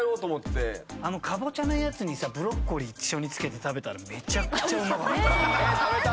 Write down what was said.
あのかぼちゃのやつにさブロッコリーつけて食べたらめちゃくちゃうまかった。